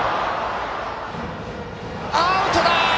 アウトだ！